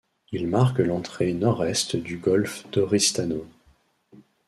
Il marque l'entrée nord-est du golfe d'Oristano.